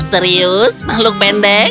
kau serius makhluk pendek